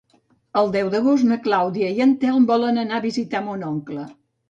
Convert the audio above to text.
El deu d'agost na Clàudia i en Telm volen anar a visitar mon oncle.